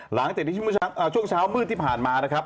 หลังจากที่ช่วงเช้ามืดที่ผ่านมานะครับ